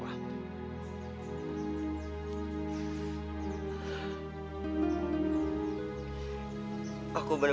apakah tuan antoni akan berubah